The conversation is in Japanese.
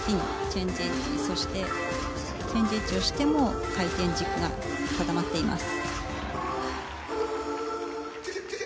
チェンジエッジそして、チェンジエッジをしても回転軸が固まっています。